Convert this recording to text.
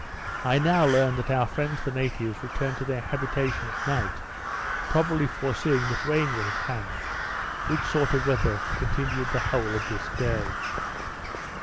I now learned that our friends the natives returned to their habitation at night; probably foreseeing that rain was at hand; which sort of weather continued the whole of this day.